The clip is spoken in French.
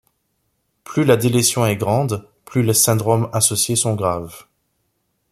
Plus la délétion est grande, plus les syndromes associés sont graves.